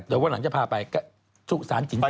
เดี๋ยววันหลังจะพาไปสุสานจริง